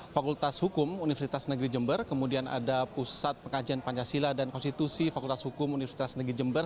fakultas hukum universitas negeri jember kemudian ada pusat pengajian pancasila dan konstitusi fakultas hukum universitas negeri jember